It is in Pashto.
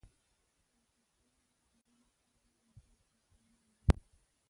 د کسټانو زامنو ته دا وضعیت د زغملو نه و.